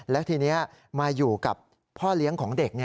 แล้วทีนี้มาอยู่กับพ่อเลี้ยงของเด็ก